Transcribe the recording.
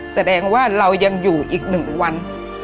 แสดงว่าเรายังอยู่อีก๑วัน